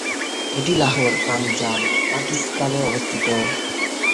এটি লাহোর, পাঞ্জাব, পাকিস্তান এ অবস্থিত।